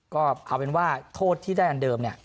ก็เอาเป็นว่าโทษที่ได้อันเดิมเนี่ย